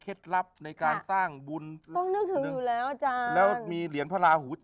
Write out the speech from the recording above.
เข้ดลับในการสร้างบุคคลอยู่แล้วจ้าแล้วมีเหรียญพระราฐ